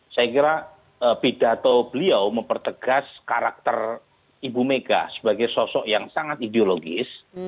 saya kira pidato beliau mempertegas karakter ibu mega sebagai sosok yang sangat ideologis